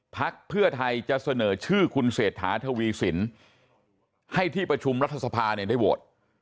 พักเพื่อไทยจะเสนอชื่อคุณเศรษฐาทวีสินให้ที่ประชุมรัฐสภาเนี่ยได้โหวต